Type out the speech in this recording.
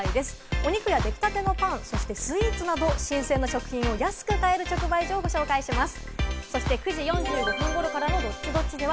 お肉やできたてのパンやスイーツなど、新鮮な食品を安く買える直売所をご紹介します。